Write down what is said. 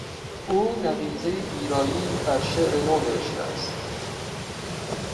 او نقیضهی گیرایی بر شعر نو نوشته است.